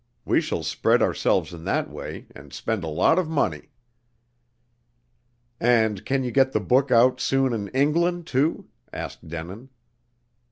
We shall spread ourselves in that way, and spend a lot of money." "And can you get the book out soon in England, too?" asked Denin.